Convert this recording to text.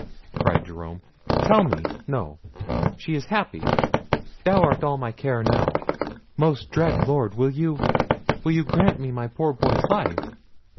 cried Jerome, "tell me—no—she is happy! Thou art all my care now!—Most dread Lord! will you—will you grant me my poor boy's life?"